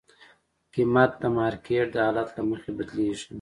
قیمت د مارکیټ د حالت له مخې بدلېږي.